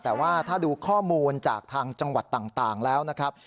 แต่ว่าถ้าดูข้อมูลจากทางจังหวัดต่างแล้วนะครับ